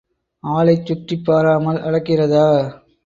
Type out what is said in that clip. ஆளைச் சுற்றிப் பாராமல் அளக்கிறதா?